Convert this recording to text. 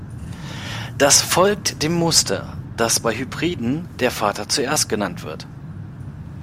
Das folgt dem Muster, dass bei Hybriden der Vater zuerst genannt wird.